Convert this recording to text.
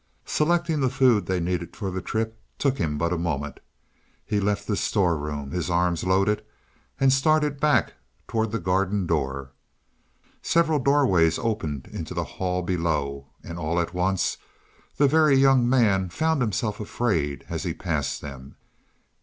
Selecting the food they needed for the trip took him but a moment. He left the storeroom, his arms loaded, and started back toward the garden door. Several doorways opened into the hall below, and all at once the Very Young Man found himself afraid as he passed them.